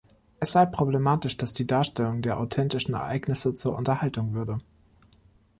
Es sei problematisch, dass die Darstellung der authentischen Ereignisse zur Unterhaltung würde.